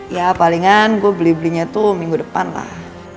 ya palingan gue beli belinya tuh minggu depan lah